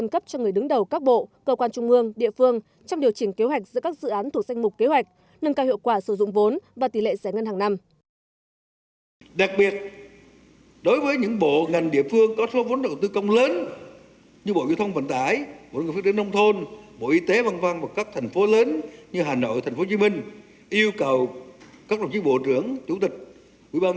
cho người đứng đầu các bộ cơ quan trung ương địa phương trong điều chỉnh kế hoạch giữa các dự án thuộc danh mục kế hoạch nâng cao hiệu quả sử dụng vốn và tỷ lệ giải ngân hàng năm